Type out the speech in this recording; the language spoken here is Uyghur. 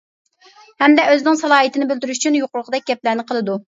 ھەمدە ئۆزىنىڭ سالاھىيىتىنى بىلدۈرۈش ئۈچۈن يۇقىرىقىدەك گەپلەرنى قىلىدۇ.